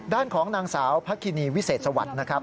ด้านของนางสาวพระคินีวิเศษสวัสดิ์นะครับ